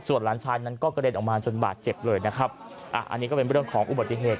ส่วนหลานชายนั้นก็กระเด็นออกมาจนบาดเจ็บเลยนะครับอ่ะอันนี้ก็เป็นเรื่องของอุบัติเหตุ